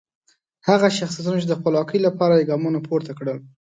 هغه شخصیتونه چې د خپلواکۍ لپاره یې ګامونه پورته کړل.